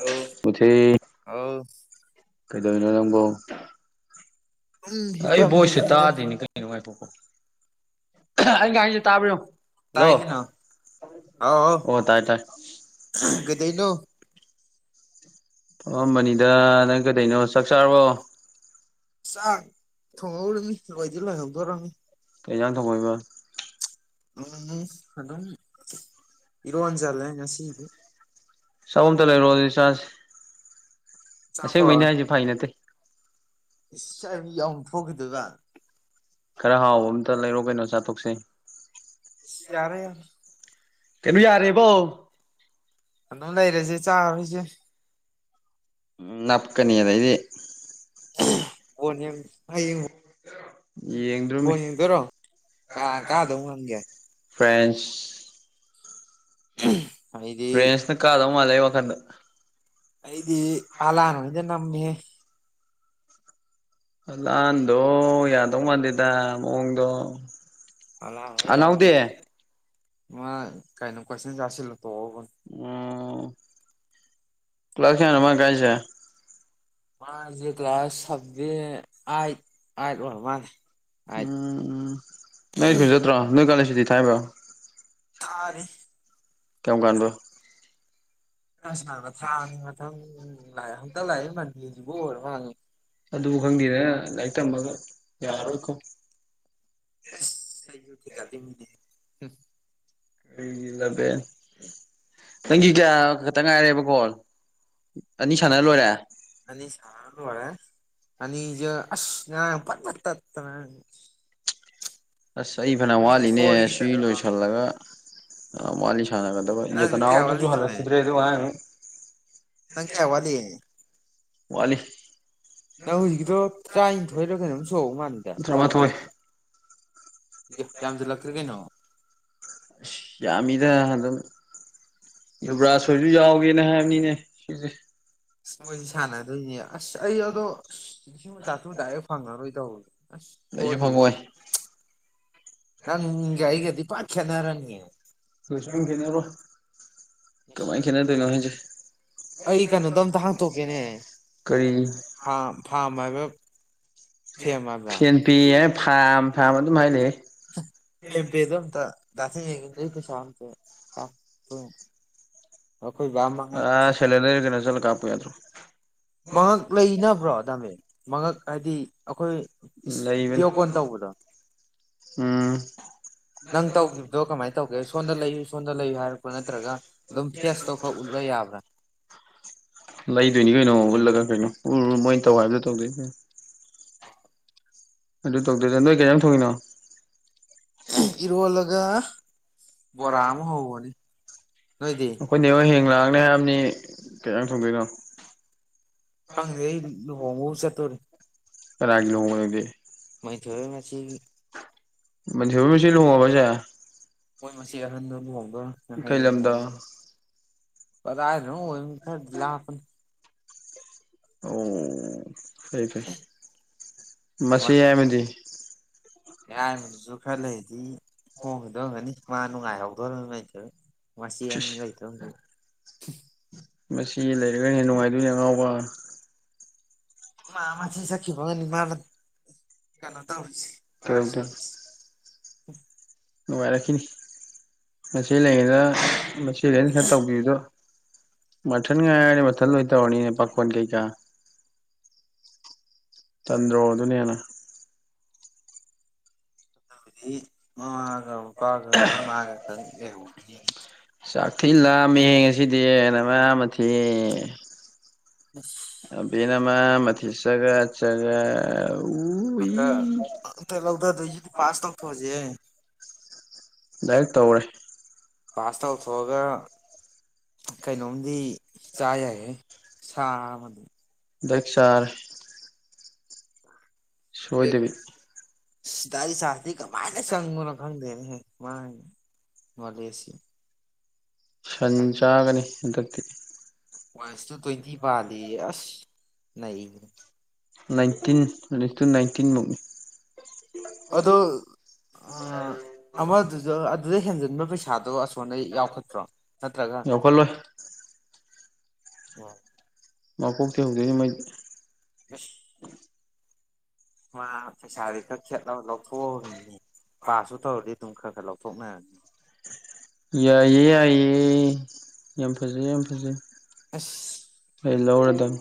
ꯑꯧ ꯃꯨꯊꯤ ꯑꯧ ꯀꯩꯗꯧꯔꯤꯅꯣ ꯅꯪꯕꯣ ꯁꯨꯝ ꯑꯩ ꯚꯣꯏꯁꯦ ꯍꯤꯄꯝꯃꯤꯅꯤꯗ ꯇꯥꯗꯦꯅꯦ ꯀꯩꯅꯣ ꯉꯥꯏꯈꯣ [inaudible] ꯑ ꯍ ꯑꯩ ꯉꯥꯡꯢꯁꯦ ꯇꯥꯕ꯭ꯔ ꯌꯦꯡꯉꯣ ꯍꯜꯂꯣ ꯇꯥꯏ ꯀꯩꯅꯣ ꯑꯣ ꯇꯥꯏ ꯇꯥꯏ ꯀꯩꯗꯩꯩꯅꯣ ꯊꯣꯛꯑꯝꯃꯅꯤꯗ ꯅꯪ ꯀꯩꯗꯩꯅꯣ ꯆꯥꯛ ꯆꯥꯔꯕꯣ ꯆꯥꯛ ꯊꯣꯡꯍꯧꯔꯤꯕꯅꯤ ꯂꯣꯏꯗꯤ ꯂꯣꯢꯍꯧꯗꯣꯔꯝꯅꯤ ꯀꯩ ꯖꯥꯡ ꯊꯣꯡꯍꯧꯏꯕ ꯎꯝ ꯑꯗꯨꯝ ꯏꯔꯣ ꯖꯟꯂꯦ ꯉꯁꯤꯗꯤ ꯆꯧ ꯑꯃꯇ ꯂꯩꯔꯛꯑꯣ ꯑꯗꯨꯗꯤ ꯆꯥꯁꯤ ꯑꯁꯦꯡꯕꯩꯅꯦ ꯍꯥꯏꯁꯤ ꯐꯒꯤꯅꯠꯇꯦ ꯢꯁ ꯑꯩ ꯑꯃꯨꯛ ꯌꯥꯎꯊꯣꯛꯈꯤꯗꯅ ꯈꯔ ꯍꯥꯎꯕ ꯑꯝꯇ ꯂꯩꯔꯣ ꯀꯩꯅꯣ ꯆꯥꯊꯣꯛꯁꯦ ꯏꯁ ꯌꯥꯔꯦ ꯌꯥꯔꯦ ꯀꯩꯅꯣ ꯌꯥꯔꯦ ꯕꯣ ꯑꯗꯨꯝ ꯂꯩꯔꯁꯦ ꯆꯥꯔꯣꯏꯁꯦ ꯎꯝ ꯅꯞ ꯀꯅꯤ ꯑꯗꯩꯗꯤ ꯕꯣꯜ ꯌꯦꯡꯉꯨ ꯅꯣꯢ ꯌꯦꯡꯉꯨ ꯌꯦꯡꯗ꯭ꯔꯨꯝꯅꯤ ꯕꯣꯟ ꯌꯦꯡꯗꯣꯢꯔꯣ ꯀꯥꯅ ꯀꯗꯧ ꯃꯥꯟꯒꯦ ꯐ꯭ꯔꯦꯟꯁ ꯑ ꯍꯨꯝ ꯐ꯭ꯟꯦꯁꯅ ꯀꯥꯗꯧ ꯃꯥꯜꯂꯦ ꯑꯩ ꯋꯥꯈꯟꯗ ꯗꯤ ꯍꯂꯥꯟꯗꯤ ꯅꯝꯃꯤꯍꯦ ꯍꯂꯥꯟꯗꯣ ꯌꯥꯗꯧ ꯃꯥꯟꯗꯦꯗ ꯃꯑꯣꯡꯗꯣ ꯑꯂꯥꯟꯗꯤ ꯌꯥꯝ ꯑꯅꯥꯎꯗꯤ [unintelligible] ꯃꯥ ꯀꯩꯅꯣ ꯄꯁꯦꯟꯇꯥꯁꯨ ꯇꯣꯕꯟ ꯎꯝ ꯀ꯭ꯂꯥꯁ ꯀꯌꯥꯅꯣ ꯃꯥ ꯀꯥꯢꯁꯦ ꯃꯥꯁꯦ ꯀ꯭ꯂꯥꯁ ꯁꯕꯦꯟ ꯑꯥꯠ ꯑꯥꯠ ꯑꯣꯏꯔꯃꯥꯂꯦ ꯎꯝ ꯎꯝ ꯅꯪ ꯁ꯭ꯀꯨꯜ ꯆꯠꯇ꯭ꯔꯣ ꯅꯣꯏ ꯀꯥꯂꯦꯟ ꯁꯨꯤꯇꯤ ꯊꯥꯏꯕ꯭ꯔꯣ ꯊꯥꯔꯤ ꯀꯃ ꯀꯥꯟꯗꯣ ꯀꯁ ꯂꯥꯕ ꯊꯥꯅꯤ ꯃꯊꯪ ꯂꯥꯛꯑꯦ ꯍꯛꯇꯪ ꯂꯥꯛꯏ ꯃꯅꯤꯄꯨꯔꯁꯤꯕꯨ ꯑꯣꯏꯔꯃꯥꯟꯂꯦ ꯑꯗꯨꯕꯨ ꯈꯪꯗꯦꯗ ꯂꯥꯏꯔꯤꯛ ꯇꯝꯃꯒ ꯌꯥꯔꯣꯏꯀꯣ ꯑꯁ [unintelligible] ꯀꯔꯤꯒꯤ ꯅꯕꯦꯟ ꯈꯪꯏ ꯇꯥꯕ ꯈꯇꯥ ꯉꯥꯏꯔꯦꯕꯀꯣꯜ ꯑꯅꯤ ꯁꯥꯟꯅꯔ ꯂꯣꯏꯔꯦ ꯑꯅꯤ ꯁꯥꯟꯅꯔ ꯂꯣꯢꯔꯦ ꯑꯅꯤꯖꯦ ꯑꯁ ꯉꯥꯔꯥꯡ ꯐꯠ ꯐꯠ ꯇꯠ ꯇꯜꯂꯦ ꯑꯁ ꯑꯩ ꯐꯅꯥꯝ ꯋꯥꯠꯂꯤꯅꯦ ꯁꯤ ꯁꯣꯏꯈꯤꯗꯅꯀꯣ ꯂꯣꯏꯁꯤꯜꯂꯒ ꯋꯥꯠꯂꯤꯁꯤ ꯁꯥꯟꯅꯒꯗꯕ ꯌꯦꯜ ꯅꯪ ꯀꯌꯥ ꯋꯥꯠꯂꯤ ꯇꯅꯥꯎꯒꯤꯖꯨ ꯈꯪꯃꯦ ꯍꯂꯛꯈꯤꯗ꯭ꯔꯦ ꯑꯗꯨ ꯉꯥꯔꯥꯡ ꯑꯗꯨꯝ ꯅꯪ ꯀꯌꯥ ꯋꯥꯠꯂꯤ ꯋꯥꯠꯂꯤ ꯅꯪ ꯍꯧꯖꯤꯛꯀꯤꯗꯣ ꯇꯔꯥꯅꯤꯊꯣꯏꯔ ꯀꯩꯅꯣꯝ ꯁꯨꯍꯧ ꯃꯥꯜꯂꯤꯗ ꯊꯝꯃꯣ ꯊꯝꯃꯦ ꯏ ꯌꯥꯝꯖꯤꯟꯂꯛꯇ꯭ꯔꯦ ꯀꯩꯅꯣ ꯑꯁ ꯌꯥꯃꯤꯗ ꯑꯗꯨꯝ ꯌꯕ꯭ꯔꯥꯥꯁꯣꯏꯁꯨ ꯌꯥꯎꯒꯦꯅ ꯍꯥꯏꯕꯅꯤꯅꯦ ꯁꯤꯁꯦ ꯑ ꯃꯣꯏꯗꯤ ꯁꯥꯟꯅꯗꯣꯏꯅꯦ ꯑꯁ ꯑꯩ ꯑꯗꯣ ꯂꯤꯁꯤꯡ ꯆꯥꯇ꯭ꯔꯨꯛ ꯗꯥꯏꯔꯦꯛ ꯐꯪꯉꯔꯣꯏ ꯇꯧꯕ ꯑꯁ ꯂꯩꯁꯨ ꯍꯣꯢ ꯐꯪꯉꯣꯏ ꯅꯪ ꯑꯩꯒ ꯗꯤ ꯄꯠ ꯈꯦꯠꯅꯔꯅꯤ ꯅꯪꯒꯤ ꯅꯔꯣꯟ ꯀꯃꯥꯏ ꯈꯦꯠꯅꯗꯣꯏꯅꯣ ꯍꯦꯢꯁꯦ ꯑꯩ ꯀꯩꯅꯣꯗꯣ ꯑꯝꯇ ꯍꯥꯡꯇꯣꯛꯀꯦꯅꯦ ꯀꯔꯤ ꯐꯥꯝ ꯐꯥꯝ ꯍꯥꯏꯕ꯭ꯔꯥ ꯐꯦꯝ ꯍꯥꯏꯕ꯭ꯔꯥ ꯐꯦꯟ ꯄꯤ ꯑꯦ ꯍꯥꯢꯔ ꯐꯥꯝ ꯐꯥꯝ ꯑꯗꯨꯝ ꯍꯥꯏ ꯂꯩ ꯐꯦꯝ ꯄꯦ ꯗꯣ ꯑꯝꯇ ꯇꯥ ꯆꯤꯁꯦꯒꯤ ꯍꯨꯖꯤꯛ ꯄꯩꯁꯥ [unintelligible] ꯃꯉꯛ ꯑ ꯁꯂꯅ ꯆꯂ ꯀꯥꯄ ꯌꯥ ꯑꯗꯨ꯭ꯔꯣ ꯃꯉꯛ ꯂꯩꯅꯕ꯭ꯔꯣ ꯗꯥꯃꯦ ꯃꯉꯛ ꯍꯥꯏꯗꯤ ꯑꯩꯈꯣꯏ ꯂꯩꯕꯅꯤ ꯚꯤꯗꯤꯌꯣ ꯀꯣꯜ ꯇꯧꯕꯗꯣ ꯎꯝ ꯅꯪ ꯇꯧꯈꯤꯕꯗꯣ ꯀꯃꯥꯏꯅ ꯇꯧꯒꯦ ꯁꯣꯝꯗ ꯂꯩꯌꯨ ꯁꯣꯝꯗ ꯂꯩꯌꯨ ꯍꯥꯏꯔꯛꯄ ꯅꯠꯇ꯭ꯔꯒ ꯑꯗꯨꯝ ꯑꯦꯁ ꯇꯧꯈ ꯎꯠꯂ ꯌꯥꯕ꯭ꯔꯥ ꯂꯩꯗꯣꯏꯅꯤ ꯀꯩꯅꯣ ꯎꯠꯂꯒ ꯀꯩꯅꯣ ꯎꯔ ꯃꯣꯏ ꯇꯧ ꯍꯥꯏꯕꯗꯣ ꯇꯧꯗꯣꯏ ꯑꯗꯨ ꯇꯧꯗꯣꯏꯔ ꯅꯣꯢ ꯀꯩ ꯏꯟꯖꯥꯡ ꯊꯣꯡꯉꯤꯅꯣ ꯏꯔꯣꯟꯂꯒ ꯕꯣꯔ ꯑꯝ ꯍꯧꯕꯅꯤ ꯅꯣꯏꯗꯤ ꯑꯈꯣꯏ ꯅꯦꯍꯣꯢ ꯍꯌꯦꯡ ꯂꯥꯛꯀꯅꯤ ꯍꯥꯏꯕꯅꯤꯍꯦ ꯀꯩ ꯖꯥꯡ ꯊꯣꯡꯗꯣꯢꯅꯣ ꯈꯪꯗꯦ ꯑꯩ ꯂꯄꯍꯣꯡꯕꯕꯨ ꯆꯠꯇꯣꯔꯤ ꯀꯥꯅꯒꯤ ꯂꯨꯍꯣꯡꯕ ꯅꯪꯗꯤ ꯃꯣꯅꯤꯊꯣꯏ ꯍꯣꯏ ꯃꯆꯦꯒꯤ ꯃꯣꯅꯤꯊꯣꯏ ꯍꯣꯏ ꯃꯆꯦ ꯂꯨꯍꯣꯡꯉꯕꯣ ꯍꯥꯏꯁꯦ ꯃꯣꯏ ꯃꯆꯦ ꯑꯍꯟꯗꯣ ꯂꯨꯍꯣꯡꯉꯦ ꯀꯩ ꯂꯝꯗ ꯀꯗꯥꯏ ꯗꯅꯣꯝ ꯑꯣꯏꯕꯅꯦ ꯈꯔ ꯗꯤ ꯂꯞꯄꯅꯦ ꯑꯧ ꯐꯩꯐꯩ ꯃꯆꯦ ꯌꯥꯏꯃꯗꯤ ꯌꯥꯏꯃꯗꯨꯁꯨ ꯈꯔ ꯂꯩꯗꯤ ꯍꯣꯡꯈꯤꯗꯧꯒꯅꯤ ꯃꯥ ꯅꯨꯡꯉꯥꯏꯍꯧꯗꯣꯔꯅꯤ ꯂꯩꯇꯦ ꯃꯆꯦ ꯏꯁ ꯑꯅꯤ ꯂꯩꯥ ꯇꯣꯝꯕꯤ ꯍꯨꯝ ꯃꯁꯤ ꯂꯩꯔꯒ ꯍꯦꯟꯅ ꯅꯨꯡꯉꯥꯏꯗꯣꯏꯅꯤ ꯑꯉꯥꯎꯕ ꯃꯥ ꯃꯥꯆꯦ ꯆꯈꯤꯕꯅꯤ ꯃꯥ ꯀꯩꯅꯣ ꯇꯧ ꯂꯥꯏ ꯀꯩꯗꯧꯗꯣꯏꯅꯣ ꯆꯠ ꯅꯨꯡꯉꯥꯏꯔꯛꯈꯤꯅꯤ ꯃꯆꯦ ꯂꯩꯉꯩꯅ ꯃꯆꯦ ꯂꯩꯅ ꯈꯔ ꯇꯧꯕꯤꯕꯗꯣ ꯃꯊꯟ ꯉꯥꯏꯅꯤ ꯃꯊꯟ ꯂꯣꯏ ꯇꯧꯔꯅꯤ ꯄꯥꯈꯣꯟ ꯀꯩꯀꯥ ꯇꯟꯗ꯭ꯔꯣ ꯑꯗꯨ ꯍꯦꯟꯅ ꯑꯗꯨꯕꯨꯗꯤ ꯃꯥ ꯄꯒ ꯃꯥꯒꯇꯪ ꯂꯩꯍꯧꯗꯧꯔꯤ ꯆꯥꯛꯊꯤ ꯂꯥꯃꯦꯍꯦ ꯉꯁꯤꯗꯤ ꯅꯃꯊꯤ ꯑꯁ ꯑꯕꯦꯅ ꯅꯃꯊꯨ ꯆꯒ ꯆꯒ ꯍꯟꯇꯛ ꯍꯟꯇꯛ ꯂꯧꯗꯗꯩꯁꯤꯗꯤ ꯄꯥꯁ ꯇꯧꯊꯣꯛꯑꯁꯦꯍꯦ ꯗꯥꯏꯔꯦꯛ ꯇꯧꯔꯦ ꯄꯥꯁꯇ ꯇꯧꯊꯣꯛꯑꯒ ꯀꯩꯅꯣꯗꯤ ꯆꯥ ꯌꯥꯏꯍꯦ ꯁꯥ ꯑꯃꯗꯨꯝ ꯗꯛ ꯆꯔ ꯁꯣꯏꯗꯦꯕꯤ ꯗꯥꯏꯠ ꯆꯁꯗꯤ ꯀꯃꯥꯏꯅꯦ ꯆꯪꯕꯅꯣ ꯈꯪꯗꯦꯅꯦꯍꯦ ꯃꯥꯒꯤ ꯃꯗꯣ ꯑꯦꯁ ꯁꯤ ꯁꯟ ꯆꯥꯒꯅꯤ ꯍꯟꯗꯛꯇꯛꯇꯤ ꯋꯥꯟꯁ ꯏꯁꯇꯨ ꯇ꯭ꯋꯦꯟꯇꯤ ꯄꯥꯜꯂꯦꯌꯦ ꯑꯁ ꯅꯩꯒꯔꯦ ꯅꯥꯏꯟꯇꯤꯟ ꯑꯩꯠꯇꯤꯟ ꯅꯥꯏꯟꯇꯤꯟ ꯃꯨꯛꯅꯤ ꯑꯗꯣ [unintelligible] ꯑꯗꯨꯗꯩ ꯍꯦꯟꯖꯤꯟꯕ ꯄꯩꯁꯥꯗꯣ ꯑꯁꯣꯟꯗ ꯌꯥꯎꯈꯠꯇꯄ꯭ꯔꯣ ꯂꯧꯈꯠꯂꯣꯏ ꯑꯣ ꯃꯀꯣꯛꯇ ꯍꯧꯗꯣꯏꯅꯤ ꯃꯣꯏꯗꯤ ꯑꯁ ꯃꯥ ꯄꯩꯁꯗꯤ ꯈꯔ ꯈꯦꯠꯂ ꯂꯧꯊꯣꯛꯑꯝꯅꯤꯅꯦ ꯄꯥꯁꯨ ꯇꯧꯔꯗꯤ ꯑꯗꯨꯝ ꯈꯔ ꯈꯔ ꯂꯧꯊꯣꯛꯅꯔꯅꯤ ꯌꯥꯏꯌꯦ ꯌꯥꯏꯌꯦ ꯌꯥꯝ ꯐꯖꯩ ꯌꯥꯝ ꯐꯖꯩ ꯑꯁ ꯑꯩ ꯂꯧꯔꯗꯕꯅꯦ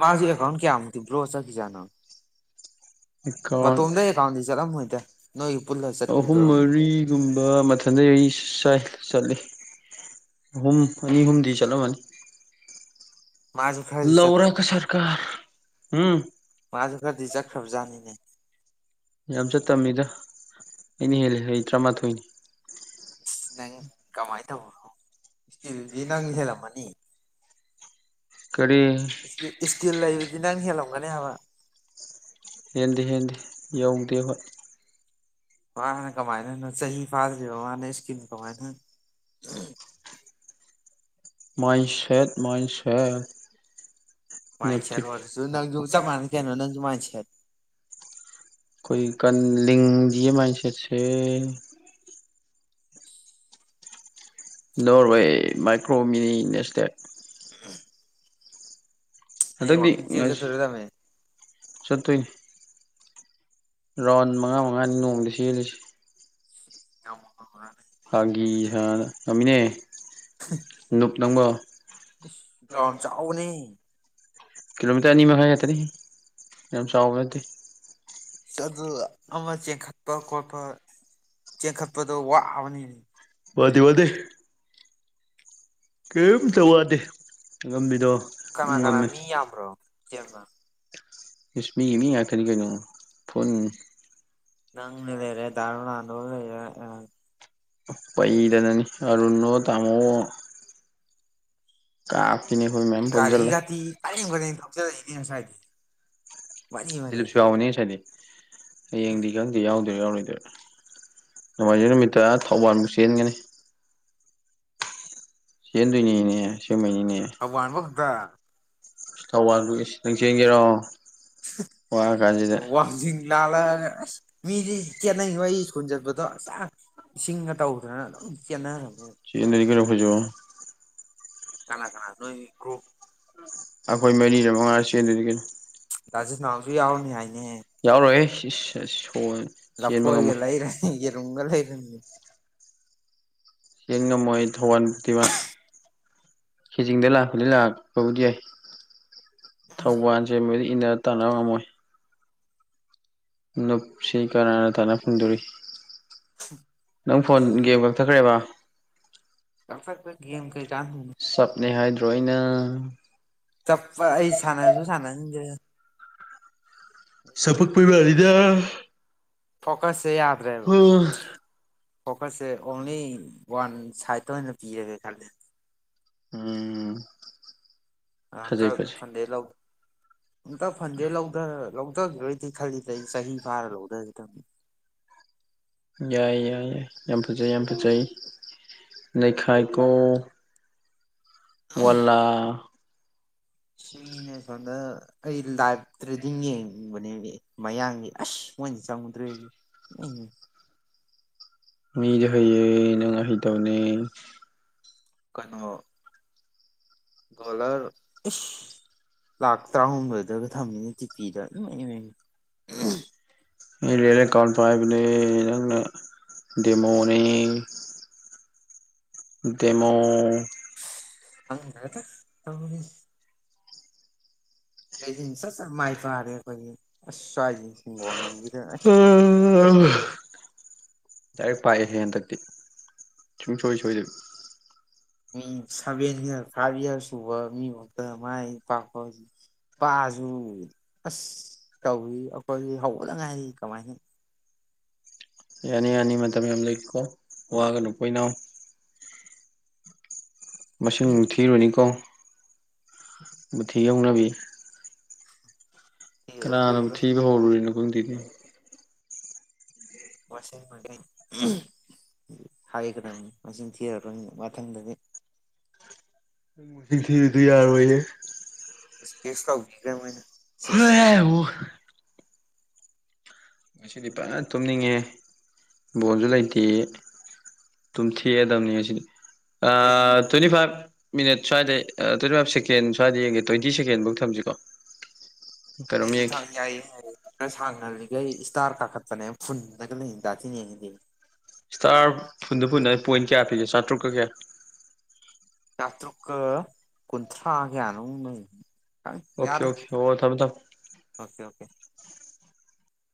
ꯃꯥꯖꯤ ꯑꯦꯀꯥꯎꯟ ꯀꯌꯥꯃꯨꯛꯇꯤ ꯕ꯭ꯣꯔ ꯆꯠꯈꯤꯖꯠꯅꯣ ꯃ ꯑꯦꯀꯥꯎꯟ ꯇꯣꯝꯗ ꯑꯦꯀꯥꯎꯟꯗꯤ ꯆꯠꯂꯝ ꯃꯣꯏꯗ ꯑꯍꯨꯝ ꯃꯔꯤꯒꯨꯝꯕ ꯃꯊꯟꯗ ꯑꯩ ꯆꯥꯏ ꯆꯠꯂꯤ ꯑꯍꯨꯝ ꯑꯅꯤ ꯑꯍꯨꯝꯗꯤ ꯆꯠꯂꯝꯃꯅꯤ ꯃꯥꯁꯨ ꯈꯔꯗꯤ ꯆꯠ ꯂꯔꯥꯀ ꯁꯔꯀꯥꯔ ꯎꯝ ꯃꯥꯁꯨ ꯈꯔꯗꯤ ꯆꯈ꯭ꯔꯕꯖꯥꯅꯤꯅꯦ ꯌꯥꯝ ꯆꯠꯇꯝꯃꯤꯗ ꯑꯩꯅ ꯍꯦꯜꯜꯂꯤ ꯑꯩ ꯇꯔꯥꯃꯥꯊꯣꯏꯅꯤ ꯅꯪ ꯀꯃꯥꯏꯅ ꯇꯧꯕꯅꯣ ꯏꯁꯇꯤꯜꯗꯤ ꯅꯪ ꯍꯦꯜꯂꯝꯃꯅꯤ ꯀꯔꯤ ꯏꯁꯀꯤꯜ ꯏꯁꯀꯤꯜ ꯂꯩꯕꯗꯤ ꯅꯪ ꯍꯦꯜꯂꯝꯒꯅꯤ ꯍꯥꯢꯕ ꯍꯦꯟꯗꯦ ꯍꯦꯟꯗꯦ ꯌꯧꯗꯦ ꯍꯣꯏ ꯃꯥꯅ ꯀꯃꯥꯏꯅꯅꯣ ꯆꯍꯤ ꯐꯥꯗ꯭ꯔꯤꯕ ꯃꯥꯅ ꯏꯁꯀꯤꯝ ꯀꯃꯥꯏꯅ ꯃꯥꯏ ꯁꯦꯠ ꯃꯥꯏ ꯁꯦꯠ ꯃꯥꯢꯟ ꯁꯦꯠ ꯅꯦꯞꯇꯤꯞ ꯑꯣꯔꯁꯨ ꯅꯪ ꯖꯨ ꯆꯞ ꯃꯥꯅꯅꯤ ꯀꯩꯅꯣ ꯅꯪ ꯃꯥꯢꯟꯁꯦꯠ ꯑꯩꯈꯣꯏ ꯀꯟ ꯂꯤꯡꯗꯤꯌꯦ ꯃꯥꯏꯟ ꯁꯦꯠꯁꯦ ꯅꯣꯔꯋꯦ ꯃꯥꯏꯀ꯭ꯔꯣꯃꯤꯅꯤ ꯅꯦꯁꯇꯦꯠ ꯎꯝ ꯍꯟꯗꯛꯇꯤ ꯆꯠꯇꯣꯔꯤꯕꯅꯦ ꯆꯠꯇꯣꯏꯅꯤ ꯔꯥꯎꯟ ꯃꯉꯥ ꯃꯉꯥꯅꯤ ꯅꯣꯡꯃꯗ ꯆꯦꯜꯂꯤꯁꯤ [unintelligible] ꯐꯥꯒꯤ ꯁꯔꯥ ꯉꯝꯃꯤ ꯉꯝꯃꯤꯅꯦ ꯂꯨꯞ ꯅꯪꯕꯣ ꯒ꯭ꯔꯥꯎꯟ ꯆꯥꯎꯕꯅꯦ ꯀꯤꯂꯣꯃꯤꯇꯔ ꯑꯅꯤ ꯃꯈꯥꯏ ꯉꯥꯛꯇꯅꯤ ꯌꯥꯝ ꯆꯥꯎꯕ ꯅꯠꯇꯦ ꯑꯗꯨ ꯑꯃ ꯆꯦꯟꯈꯠꯄ ꯈꯣꯠꯄ ꯆꯦꯟꯈꯠꯄꯗꯣ ꯋꯥꯕꯅꯤ ꯋꯥꯗꯦ ꯋꯥꯗꯦ ꯀꯔꯤꯝꯇ ꯋꯥꯗꯦ ꯉꯝꯕꯤꯗꯣ ꯀꯅꯥ ꯀꯅꯥ ꯃꯤ ꯌꯥꯝꯕ꯭ꯔꯣ ꯏꯌꯥꯝꯕ ꯏꯁ ꯃꯤꯒꯤ ꯃꯤ ꯉꯥꯛꯇꯅꯤ ꯀꯩꯅꯣ ꯐꯨꯟ ꯅꯪꯅꯦ ꯂꯩꯔꯦ ꯗꯥ ꯔꯣꯅꯥꯟꯗꯣ ꯂꯩꯔꯦ ꯌꯥꯔꯦ ꯄꯩꯗꯅꯅꯤ ꯑꯔꯨꯟ ꯑꯣ ꯇꯥꯃꯣ ꯑꯣ ꯀꯥꯞ ꯒꯥꯔꯤ ꯒꯥꯇꯤ ꯑꯔꯦꯡ ꯃꯔꯦꯡ ꯊꯧꯖꯜꯂꯛꯏꯅꯦ ꯉꯁꯥꯏꯗꯤ ꯃꯔꯤ ꯃꯔꯤ ꯗꯤꯂꯤꯞꯁꯨ ꯌꯥꯎꯕꯅꯤ ꯉꯁꯥꯏꯗꯤ ꯍꯌꯦꯡꯗꯤ ꯈꯪꯗꯤ ꯌꯥꯎꯗꯣꯏꯔ ꯌꯥꯎꯔꯣꯏꯗꯣꯢꯔ ꯅꯣꯡꯃꯥꯏꯖꯤꯡ ꯅꯨꯃꯤꯠꯇ ꯊꯧꯕꯥꯜꯕꯨ ꯆꯦꯟꯒꯅꯤ ꯆꯦꯟꯗꯣꯢꯅꯤꯅꯦ ꯑꯋꯥꯟꯕꯥ ꯈꯛꯇ ꯊꯧꯕꯥꯜꯕꯨ ꯅꯪ ꯆꯦꯟꯒꯦꯔꯣ ꯋꯥꯔ ꯀꯥꯟꯁꯤꯗ [unintelligible] ꯋꯥꯡꯖꯤꯡ ꯂꯥꯜꯂꯛ ꯑꯒ ꯑꯁ ꯃꯤꯗꯤ ꯆꯦꯟꯅꯩꯑꯣ ꯑꯩ ꯁꯀ꯭ꯨꯜ ꯆꯠꯄꯗ ꯁꯥꯡ ꯏꯁꯤꯡꯒ ꯇꯧꯗꯅ ꯑꯗꯨꯝ ꯆꯦꯟꯅꯔꯝꯃꯦ ꯈꯣꯢꯖꯨ ꯀꯅꯥ ꯀꯅꯥ ꯅꯣꯏ ꯒ꯭ꯔꯨꯞ ꯑꯩꯈꯣꯏ ꯃꯔꯤꯔ ꯃꯉꯥ ꯆꯦꯟꯗꯣꯢꯅꯤ ꯀꯩꯅꯣ ꯗꯥꯖꯤꯅꯥꯎꯁꯨ ꯌꯥꯎꯅꯤ ꯍꯥꯏꯅꯦ ꯌꯥꯎꯔꯣꯑꯦ ꯏꯋ ꯏꯁ ꯁꯣꯟ ꯆꯦꯟꯕ ꯂꯐꯣꯏꯒ ꯉꯝꯃꯣꯢ ꯂꯩꯔꯅꯤ ꯌꯦꯔꯨꯝꯒ ꯂꯩꯔꯅꯤ ꯆꯦꯟ ꯉꯝꯃꯣꯢ ꯊꯧꯋꯥꯟ ꯇꯤꯋꯥ ꯈꯩꯖꯤꯡꯗꯩ ꯂꯥꯛꯄꯨꯗꯤ ꯂꯥꯛꯄꯕꯨꯗꯤ ꯌꯥꯏ ꯊꯧꯕꯥꯜꯁꯦ ꯃꯣꯏꯗꯤ ꯏꯟꯅꯔ ꯇꯥꯟꯅꯕ ꯉꯝꯃꯣꯏ ꯅꯨꯞꯁꯤ ꯀꯥꯅ ꯀꯅꯅꯥ ꯇꯥꯟꯅ ꯐꯣꯡꯗꯧꯔꯤ ꯅꯪ ꯐꯣꯟ ꯒꯦꯝ ꯀꯛꯊꯠꯈ꯭ꯔꯦꯕ ꯀꯥꯛꯊꯒꯤ ꯀꯩꯀꯥꯟ ꯒꯦꯝ ꯇꯣꯏꯅꯥ ꯆꯞꯄ ꯑꯩ ꯁꯥꯟꯅꯁꯨ ꯁꯥꯟꯅꯍꯟꯗꯔꯦꯗ ꯁꯄꯛꯄꯩ ꯋꯔꯤꯔ ꯐꯣꯀꯁ ꯁꯦ ꯌꯥꯗ꯭ꯔꯦꯕ ꯐꯣꯀꯁꯁꯦ ꯑꯣꯟꯂꯤ ꯋꯥꯟ ꯁꯥꯏꯠꯇ ꯑꯣꯢꯅ ꯄꯤꯔꯒꯦꯅ ꯈꯜꯂꯦ ꯎꯝ ꯀꯅꯥꯝꯇ ꯐꯟꯗꯦ ꯂꯧ ꯑꯝꯇ ꯐꯟꯗꯩ ꯂꯧꯗ ꯂꯧꯗ ꯒꯤꯔꯣꯢ ꯈꯜꯂꯤꯗ ꯑꯩ ꯆꯍꯤ ꯐꯥꯔ ꯂꯧꯗꯒꯦ ꯇꯧꯕ ꯌꯥꯏ ꯌꯥꯏꯌꯦ ꯌꯥꯝ ꯐꯖꯩ ꯌꯥꯝ ꯐꯖꯩ ꯅꯩꯈꯥꯏꯀꯣ ꯋꯥꯂ ꯁꯤꯅꯦ ꯁꯣꯝꯗ ꯑꯩ ꯂꯥꯐꯇ꯭ꯔꯤꯗꯤꯡ ꯌꯦꯡꯕꯅꯦꯝꯃꯤ ꯃꯌꯥꯡꯒꯤ ꯑꯁ ꯃꯣꯏꯁꯨ ꯆꯪꯉꯨꯗ꯭ꯔꯦꯗꯤ ꯃꯤꯁꯨ ꯍꯩꯌꯦ ꯅꯪ ꯍꯩꯇꯧꯅꯦ ꯀꯩꯅꯣ ꯗꯣꯂꯔ ꯂꯥꯛ ꯇꯔꯥꯍꯨꯝꯗꯣꯏꯗꯒ ꯊꯝꯃꯤꯅ ꯇꯤꯄꯤꯗ ꯏ ꯏꯟꯗꯤꯌꯥ ꯀꯥꯟ ꯐꯥꯏꯕ꯭ꯂ ꯗꯗꯤꯃꯣꯅꯤ ꯗꯦꯃꯣ ꯈꯪꯗ꯭ꯔꯦꯗ ꯇꯧꯔꯤꯁꯤ ꯑꯩꯗꯤ ꯁꯠ ꯁꯠ ꯃꯥꯏ ꯄꯥꯛꯑꯗꯤ ꯑꯩꯈꯣꯏꯒꯤ ꯑꯁ ꯁ꯭ꯋꯥꯏꯁꯤ ꯍꯤꯡꯒꯣꯟꯅꯨꯡꯗꯤ [unintelligible] ꯗꯥꯏꯔꯦꯛ ꯄꯥꯛꯑꯦꯍꯦ ꯍꯟꯗꯛꯇꯤ ꯁꯨꯡꯁꯣꯏ ꯁꯣꯏꯗ ꯃꯤ ꯁꯚꯦꯟ ꯌꯔ ꯐꯥꯏꯚ ꯏꯌꯔꯁ ꯎꯕ ꯃꯤ ꯕꯨꯛꯇ ꯃꯥꯥꯏ ꯄꯥꯛꯄ ꯄꯥꯛꯑꯁꯨ ꯑꯁ ꯇꯧꯏ ꯑꯩꯈꯣꯏꯒꯤ ꯍꯧꯕꯗ ꯉꯥꯏꯔꯤ ꯀꯃꯥꯏꯅ ꯌꯥꯅꯤ ꯌꯥꯅꯤ ꯃꯇꯝ ꯌꯥꯝ ꯂꯩꯔꯤꯀꯣ ꯋꯥꯒꯅꯨꯀꯣ ꯏꯅꯥꯎ ꯃꯁꯤꯡ ꯃꯤ ꯃꯨꯛ ꯊꯤꯔꯨꯅꯤꯀꯣ ꯃꯨꯊꯤ ꯍꯧꯅꯕꯤ ꯊꯤꯔꯔꯣꯏ ꯀꯅꯅ ꯊꯤꯔꯔꯣꯏ ꯊꯤꯕ ꯍꯧꯔꯨꯔꯤꯅꯣ ꯈꯪꯗꯦꯅꯦ ꯋꯥꯁꯦ ꯃꯥꯏꯀꯩ [unintelligible] ꯍꯥꯏꯒꯗꯝ ꯃꯁꯤꯡ ꯊꯤꯔꯔꯣꯢ ꯃꯊꯪꯗꯗꯤ ꯁꯤꯡ ꯊꯤꯔꯤꯗꯨ ꯌꯥꯔꯣꯏꯌꯦ ꯏꯁꯀ꯭ꯌꯨꯁ ꯇꯧꯕꯤꯒ꯭ꯔꯦ ꯃꯣꯏꯅ [unintelligible] ꯉꯁꯤꯗꯤ ꯐꯖꯟ ꯇꯨꯝꯅꯤꯡꯉꯦꯍꯦ ꯕꯣꯜꯁꯨ ꯂꯩꯇꯦꯌꯦ ꯇꯨꯝꯊꯦꯛꯑꯗꯝꯅꯤ ꯉꯁꯤꯗꯤ ꯑ ꯑꯩ ꯇ꯭ꯋꯦꯟꯇꯤ ꯐꯥꯏꯚ ꯃꯤꯅꯠ ꯁ꯭ꯋꯥꯏꯗꯩ ꯑ ꯇ꯭ꯋꯦꯟꯇꯤ ꯐꯥꯏꯚ ꯁꯦ ꯀꯦꯟ ꯁ꯭ꯋꯥꯏꯗ ꯌꯦꯡꯒꯦ ꯇ꯭ꯋꯦꯟꯇꯤ ꯁꯦꯀꯦꯟꯕꯧ ꯊꯝꯁꯤꯀꯣ ꯀꯩꯅꯣꯝ ꯑꯩꯁꯨ ꯌꯦꯡꯒꯦ ꯊꯥꯡ ꯌꯥꯏꯌꯦ ꯌꯥꯏꯌꯦ ꯈꯔ ꯁꯥꯡꯅꯜꯂꯤꯒꯩ ꯑꯩ ꯁ꯭ꯇꯥꯔ ꯀꯥꯈꯠꯄꯅꯦ ꯐꯨꯟ ꯗꯒꯂꯤꯡ ꯗꯖꯤꯌꯦꯡꯗꯦ ꯁ꯭ꯇꯥꯔ ꯐꯨꯟꯗ ꯐꯨꯟꯅ ꯄꯣꯏꯟꯠ ꯀꯌꯥ ꯄꯤꯒꯦ ꯆꯥꯇ꯭ꯔꯨꯛꯀ ꯀꯌꯥ ꯌꯥꯇ꯭ꯔꯨꯛꯀ ꯀꯨꯟꯊ꯭ꯔꯥ ꯀ꯭ꯌꯥꯅꯣꯝ ꯂꯩ ꯑꯣꯈꯦ ꯌꯥꯔꯦ ꯑꯣꯈꯦ ꯑꯣ ꯊꯃꯦ ꯊꯝ ꯑꯣꯀꯦ ꯑꯣꯀꯦ